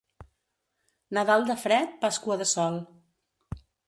Nadal de fred, Pasqua de sol.